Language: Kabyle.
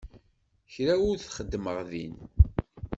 Kra ur t-xeddmeɣ din.